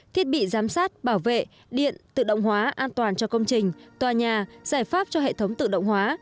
thiết bị giám sát bảo vệ điện tự động hóa an toàn cho công trình tòa nhà giải pháp cho hệ thống tự động hóa